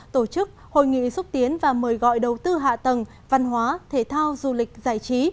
tổ chức hội nghị xúc tiến và mời gọi đầu tư hạ tầng văn hóa thể thao du lịch giải trí